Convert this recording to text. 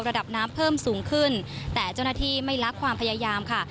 ระดับน้ำเพิ่มสูงขึ้นแต่เจ้าหน้าที่ไม่ลักความพยายามค่ะ